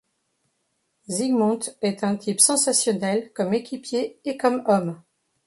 Zygmunt est un type sensationnel comme équipier et comme homme.